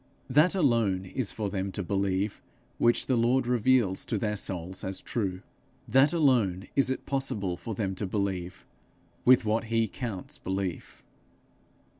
That alone is for them to believe which the Lord reveals to their souls as true; that alone is it possible for them to believe with what he counts belief.